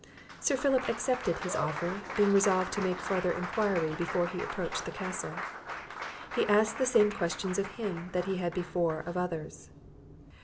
Sir Philip accepted his offer, being resolved to make farther enquiry before he approached the castle. He asked the same questions of him, that he had before of others.